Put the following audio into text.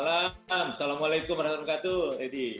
assalamualaikum warahmatullahi wabarakatuh lady